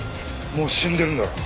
もう死んでるんだろう？